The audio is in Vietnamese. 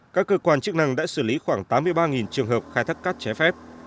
các cơ quan chức năng đã xử lý khoảng tám mươi ba trường hợp khai thác cát trái phép